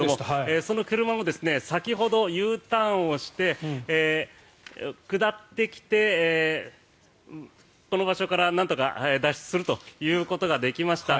その車も先ほどＵターンをして、下ってきてその場所からなんとか脱出することができました。